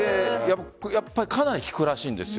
かなり効くらしいんですよ。